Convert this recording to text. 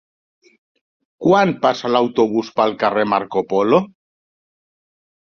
Quan passa l'autobús pel carrer Marco Polo?